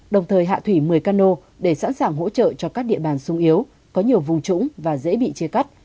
đồng thời hạ thủy một mươi cano để sẵn sàng hỗ trợ cho các địa bàn sung yếu có nhiều vùng trũng và dễ bị chia cắt